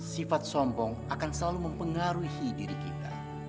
sifat sombong akan selalu mempengaruhi diri kita